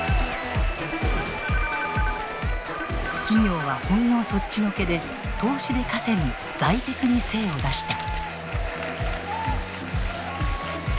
企業は本業そっちのけで投資で稼ぐ財テクに精を出した。